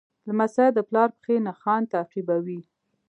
لمسی د پلار پښې نښان تعقیبوي.